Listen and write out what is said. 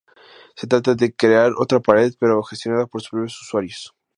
Se trata de crear otra red, pero gestionada por sus propios usuarios.